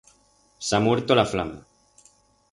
S'ha muerto la flama.